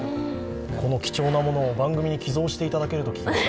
この貴重なものを番組に寄贈していただけると聞きました。